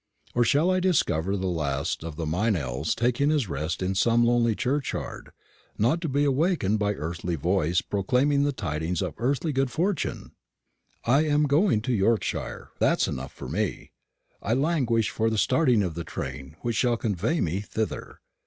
or shall I discover the last of the Meynells taking his rest in some lonely churchyard, not to be awakened by earthly voice proclaiming the tidings of earthly good fortune? I am going to Yorkshire that is enough for me. I languish for the starting of the train which shall convey me thither.